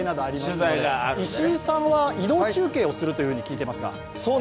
石井さんは移動中継すると聞いていますが？